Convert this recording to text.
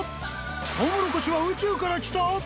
トウモロコシは宇宙から来た？